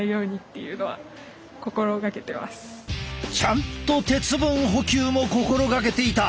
ちゃんと鉄分補給も心がけていた。